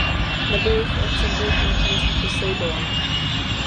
Nebo jejich otcem byl bůh moří Poseidón.